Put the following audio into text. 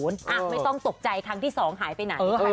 ไม่ต้องตกใจครั้งที่๒หายไปไหน